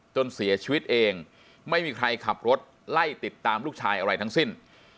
จนเสียชีวิตเองไม่มีใครขับรถไล่ติดตามลูกชายอะไรทั้งสิ้น